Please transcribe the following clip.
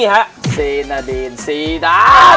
มึงกฎแล้วนะ